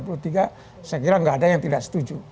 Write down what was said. saya kira nggak ada yang tidak setuju